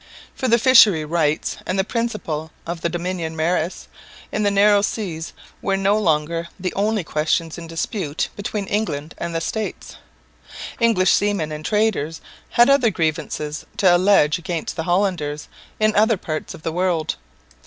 For the fishery rights and the principle of the dominium maris in the narrow seas were no longer the only questions in dispute between England and the States. English seamen and traders had other grievances to allege against the Hollanders in other parts of the world.